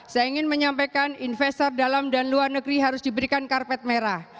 saya ingin menyampaikan investor dalam dan luar negeri harus diberikan karpet merah